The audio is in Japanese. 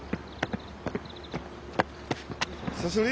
久しぶり。